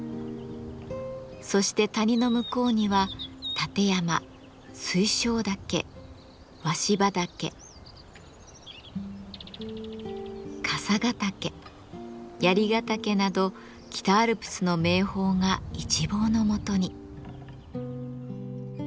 そして谷の向こうには立山水晶岳鷲羽岳笠ヶ岳槍ヶ岳など北アルプスの名峰が一望のもとに。